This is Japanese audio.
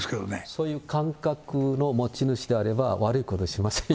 そういう感覚の持ち主であれば、悪いことしませんよ。